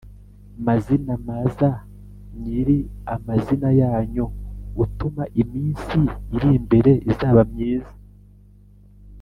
mazina, maza nyiri amazina yanyu: utuma iminsi iri imbere izaba myiza